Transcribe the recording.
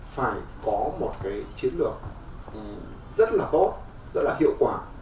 phải có một cái chiến lược rất là tốt rất là hiệu quả